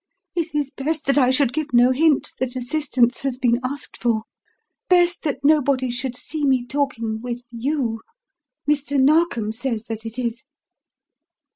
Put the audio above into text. It is best that I should give no hint that assistance has been asked for; best that nobody should see me talking with you Mr. Narkom says that it is."